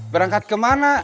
berangkat ke mana